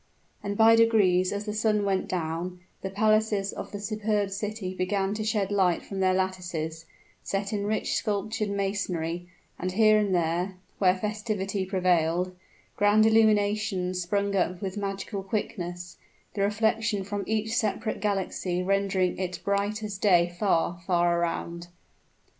And by degrees as the sun went down, the palaces of the superb city began to shed light from their lattices, set in rich sculptured masonry; and here and there, where festivity prevailed, grand illuminations sprung up with magical quickness, the reflection from each separate galaxy rendering it bright as day far, far around.